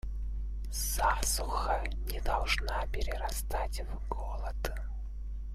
Засуха не должна перерастать в голод.